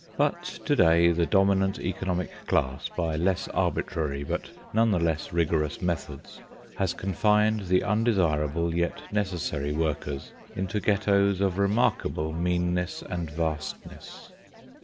But to day the dominant economic class, by less arbitrary but none the less rigorous methods, has confined the undesirable yet necessary workers into ghettos of remarkable meanness and vastness.